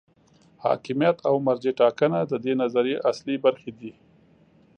حاکمیت او مرجع ټاکنه د دې نظریې اصلي برخې دي.